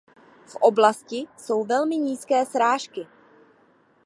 V oblasti jsou velmi nízké srážky.